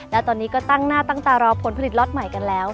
และตอนนี้ก็ตั้งหน้าตั้งตารอผลผลิตล็อตใหม่กันแล้ว